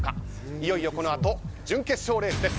いよいよ、この後準決勝レースです。